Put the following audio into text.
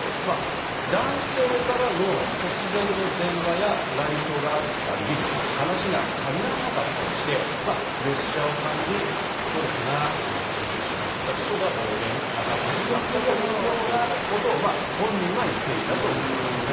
男性からの突然の電話や来所があったり、話がかみ合わなかったりしてプレッシャーを感じ、ストレスが増してきてしまったことが暴言に繋がってしまったというようなことを本人は言っていたということですね。